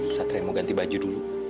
satria mau ganti baju dulu